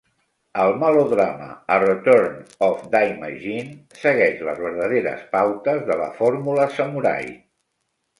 El melodrama a "Return of Daimajin" segueix les verdaderes pautes de la fórmula samurai.